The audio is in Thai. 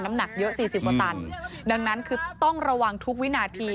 น้ำหนักเยอะ๔๐ประตันดังนั้นคือต้องระวังทุกวินาที